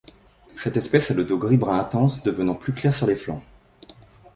Cette espèce a le dos gris brun intense devenant plus clair sur les flancs.